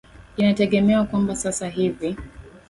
inategemewa kwamba sasa hivi